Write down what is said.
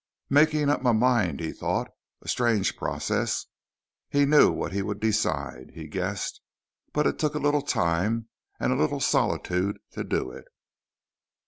Making up my mind, he thought. A strange process. He knew what he would decide, he guessed, but it took a little time and a little solitude to do it.